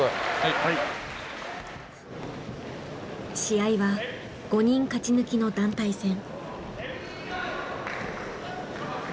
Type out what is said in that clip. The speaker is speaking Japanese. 試合は５人勝ち抜きの団体戦。